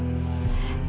kalau memang cocok